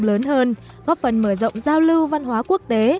thị trường rộng lớn hơn góp phần mở rộng giao lưu văn hóa quốc tế